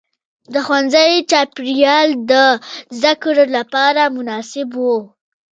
د ښوونځي چاپېریال د زده کړې لپاره مناسب و.